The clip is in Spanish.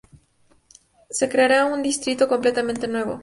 Se creará un distrito completamente nuevo.